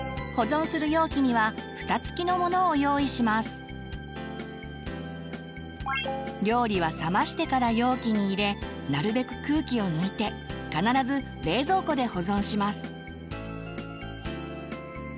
ここで料理は冷ましてから容器に入れなるべく空気を抜いて必ず冷蔵庫で保存します。